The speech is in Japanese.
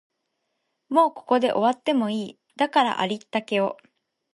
もうここで終わってもいい、だからありったけを